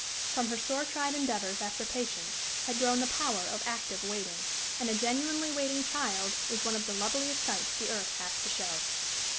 From her sore tried endeavors after patience, had grown the power of active waiting and a genuinely waiting child is one of the loveliest sights the earth has to show.